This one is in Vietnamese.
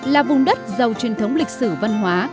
là vùng đất giàu truyền thống lịch sử văn hóa